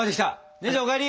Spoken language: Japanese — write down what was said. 姉ちゃんお帰り！